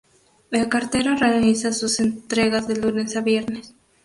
El cartero realiza sus entregas de lunes a viernes.